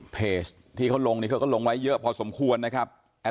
เพจที่เขาลงนี่เขาก็ลงไว้เยอะพอสมควรนะครับ